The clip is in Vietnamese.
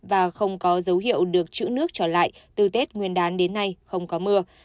và không có dấu hiệu được chữ nước trở lại từ tết nguyên đán đến nay không có mưa